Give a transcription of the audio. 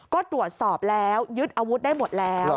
ก็ตรวจสอบแล้วยึดอาวุธได้หมดแล้ว